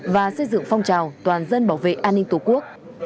và xây dựng phong trào toàn dân bảo vệ an ninh tổ quốc